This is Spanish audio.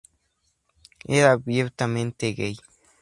Era abiertamente gay.